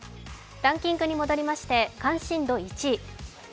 ランキングに戻りまして関心度１位。